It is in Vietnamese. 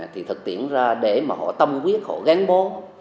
thì thực tiễn ra để mà họ tâm quyết họ ghen bố